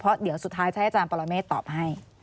เพราะเดี๋ยวสุดท้ายจะให้อาจารย์ปรเมฆตอบให้